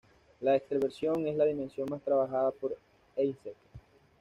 La extraversión es la dimensión más trabajada por Eysenck.